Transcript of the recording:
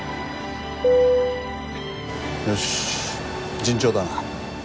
よし順調だな。